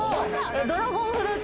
ドラゴンフルーツ。